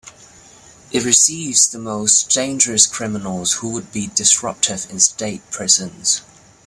It receives the most dangerous criminals who would be disruptive in state prisons.